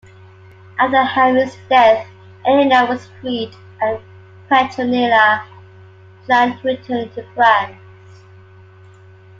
After Henry's death, Eleanor was freed, and Petronilla planned on returning to France.